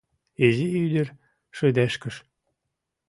— изи ӱдыр шыдешкыш.